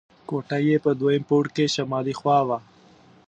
کوټه یې په دویم پوړ کې شمالي خوا وه.